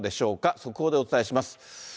速報でお伝えします。